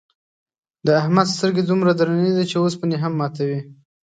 د احمد سترگې دومره درنې دي، چې اوسپنې هم ماتوي.